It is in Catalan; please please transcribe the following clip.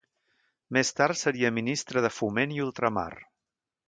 Més tard seria ministre de Foment i Ultramar.